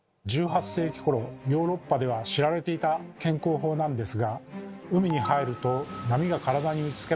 １８世紀ころヨーロッパでは知られていた健康法なんですが海に入ると波が体に打ちつけますよね。